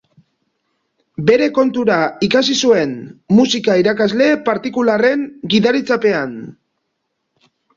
Bere kontura ikasi zuen, musika-irakasle partikularren gidaritzapean.